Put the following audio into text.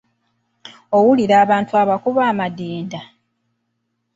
Owulira abantu abakuba amadinda?